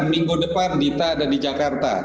minggu depan dita ada di jakarta